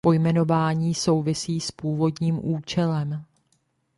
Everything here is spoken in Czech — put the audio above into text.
Pojmenování souvisí s původním účelem.